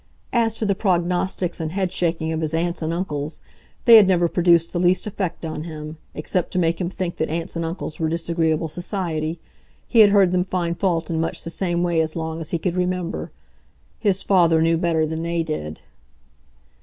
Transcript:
As to the prognostics and headshaking of his aunts and uncles, they had never produced the least effect on him, except to make him think that aunts and uncles were disagreeable society; he had heard them find fault in much the same way as long as he could remember. His father knew better than they did.